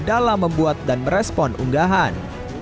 dalam membuat dan merespon unggahan